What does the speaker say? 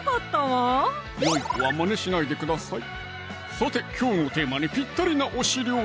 さてきょうのテーマにぴったりな推し料理